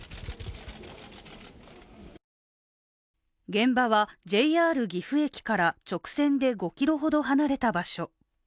現場はＪＲ岐阜駅から直線で５ｋｍほど離れた場所。